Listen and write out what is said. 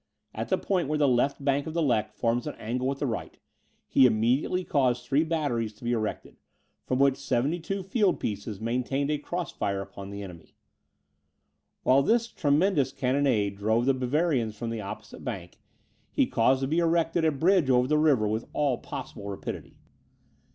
At the point where the left bank of the Lech forms an angle with the right, he immediately caused three batteries to be erected, from which 72 field pieces maintained a cross fire upon the enemy. While this tremendous cannonade drove the Bavarians from the opposite bank, he caused to be erected a bridge over the river with all possible rapidity.